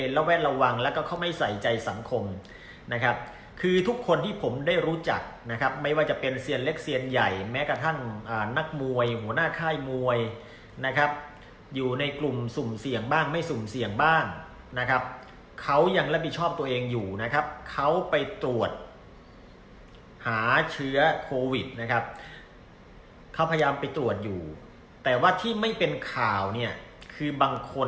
ระแวดระวังแล้วก็เขาไม่ใส่ใจสังคมนะครับคือทุกคนที่ผมได้รู้จักนะครับไม่ว่าจะเป็นเซียนเล็กเซียนใหญ่แม้กระทั่งนักมวยหัวหน้าค่ายมวยนะครับอยู่ในกลุ่มสุ่มเสี่ยงบ้างไม่สุ่มเสี่ยงบ้างนะครับเขายังรับผิดชอบตัวเองอยู่นะครับเขาไปตรวจหาเชื้อโควิดนะครับเขาพยายามไปตรวจอยู่แต่ว่าที่ไม่เป็นข่าวเนี่ยคือบางคน